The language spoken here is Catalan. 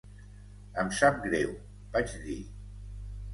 "Em sap greu", vaig dir.